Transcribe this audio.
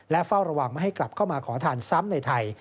เฝ้าระวังไม่ให้กลับเข้ามาขอทานซ้ำในไทย